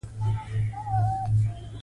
سره ورځ پرې جوړه سوه.